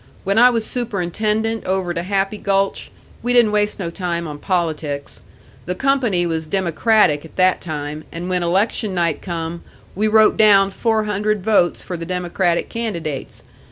When I was superintendent over to Happy Gulch, we didn't waste no time on politics. The company was Democratic at that time, and when election night come, we wrote down four hundred votes for the Democratic candidates.